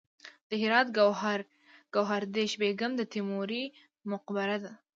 د هرات ګوهردش بیګم د تیموري مقبره ده